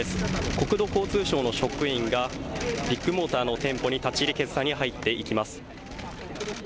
国土交通省の職員がビッグモーターの店舗に立ち入り検査に入っていきます。